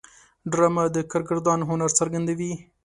ډرامه د کارگردان هنر څرګندوي